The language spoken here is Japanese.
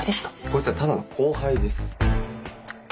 こいつはただの後輩です。